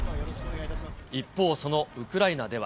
一方、そのウクライナでは。